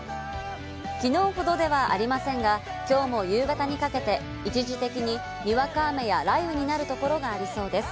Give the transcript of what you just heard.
昨日ほどではありませんが、今日も夕方にかけて一時的に、にわか雨や雷雨になるところがありそうです。